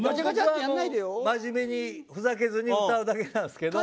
真面目にふざけずに歌うだけなんすけど。